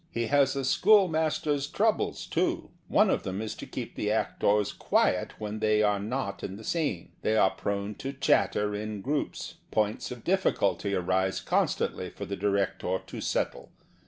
He has a school master's troubles, too. One of them is to keep the actors quiet when they are not in the scene. They are prone to chatter in groups. Points of difficulty arise constantly for the director to settle.